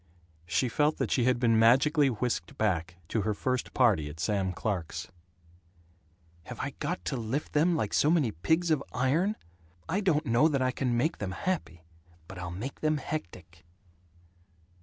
She felt that she had been magically whisked back to her first party, at Sam Clark's. "Have I got to lift them, like so many pigs of iron? I don't know that I can make them happy, but I'll make them hectic."